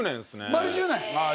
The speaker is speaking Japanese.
丸１０年？